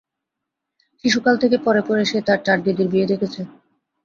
শিশুকাল থেকে পরে পরে সে তার চার দিদির বিয়ে দেখেছে।